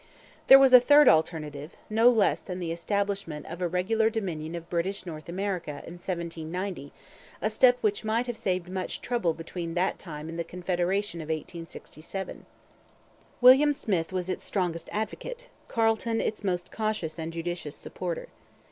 There was a third alternative: no less than the establishment of a regular Dominion of British North America in 1790, a step which might have saved much trouble between that time and the Confederation of 1867. William Smith was its strongest advocate, Carleton its most cautious and judicious supporter.